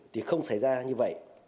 thì không xảy ra như vậy